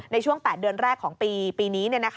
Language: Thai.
ในช่วง๘เดือนแรกของปีนี้